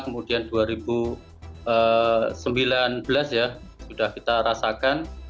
kemudian dua ribu sembilan belas ya sudah kita rasakan